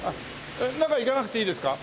えっ中行かなくていいですか？